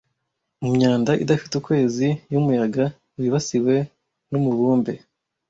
Mu myanda idafite ukwezi yumuyaga wibasiwe numubumbe?